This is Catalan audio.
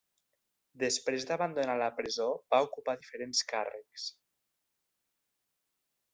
Després d'abandonar la presó va ocupar diferents càrrecs.